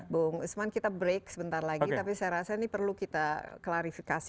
bung usman kita break sebentar lagi tapi saya rasa ini perlu kita klarifikasi